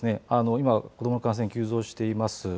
今、子どもの感染急増しています。